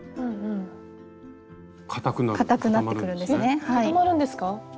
えっ固まるんですか？